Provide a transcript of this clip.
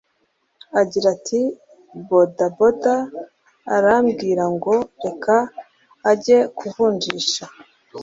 Agira ati “Boda Boda arambwira ngo reka ajye kuvunjisha